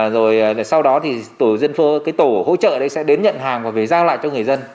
rồi sau đó thì tổ hỗ trợ sẽ đến nhận hàng và về giao lại cho người dân